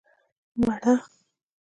🍏 مڼه